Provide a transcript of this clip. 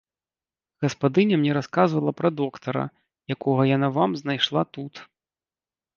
Гаспадыня мне расказвала пра доктара, якога яна вам знайшла тут.